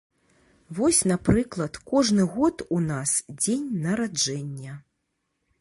Вось, напрыклад, кожны год у нас дзень нараджэння.